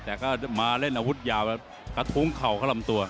แต่ก็มาเล่นอาวุธยาวแบบกระทุ้งเข่าเข้าลำตัว